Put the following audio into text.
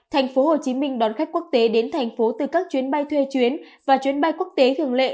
thành phố hồ chí minh đón khách quốc tế đến thành phố từ các chuyến bay thuê chuyến và chuyến bay quốc tế thường lệ